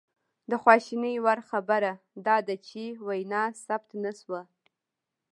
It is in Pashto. د خواشینۍ وړ خبره دا ده چې وینا ثبت نه شوه